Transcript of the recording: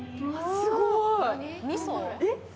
すごい。